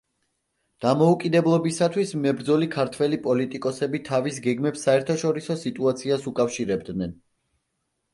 დამოუკიდებლობისათვის მებრძოლი ქართველი პოლიტიკოსები თავის გეგმებს საერთაშორისო სიტუაციას უკავშირებდნენ.